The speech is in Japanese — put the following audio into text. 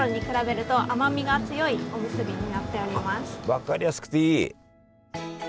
分かりやすくていい！